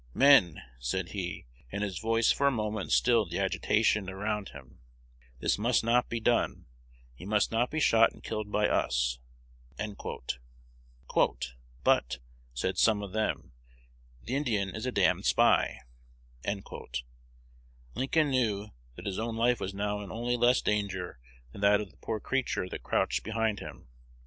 "Men," said he, and his voice for a moment stilled the agitation around him, "this must not be done: he must not be shot and killed by us." "But," said some of them, "the Indian is a damned spy." Lincoln knew that his own life was now in only less danger than that of the poor creature that crouched behind him.